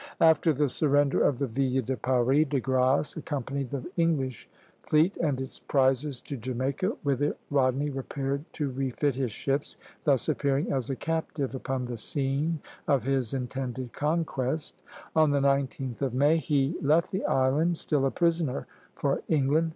After the surrender of the "Ville de Paris," De Grasse accompanied the English fleet and its prizes to Jamaica, whither Rodney repaired to refit his ships, thus appearing as a captive upon the scene of his intended conquest. On the 19th of May he left the island, still a prisoner, for England.